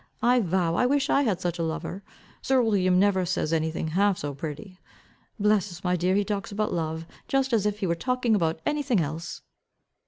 I vow I wish I had such a lover. Sir William never says any thing half so pretty. Bless us, my dear, he talks about love, just as if he were talking about any thing else."